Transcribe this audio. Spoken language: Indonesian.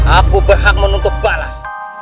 aku berhak menuntut balas